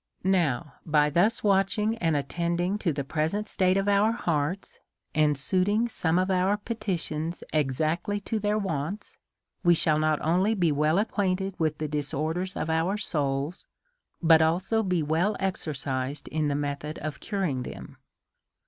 Now, by thus watching and attending to the pre sent state of our hearts, and suiting some of our peti tions exactly to their wants, we shall not only be well acquainted with the disorders of our souls, but also be well exercised in the methods of curing them.